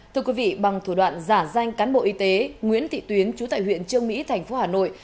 thưa quý vị bằng thủ đoạn giả danh cán bộ y tế nguyễn thị tuyến chú tại huyện trương mỹ thành phố hà nội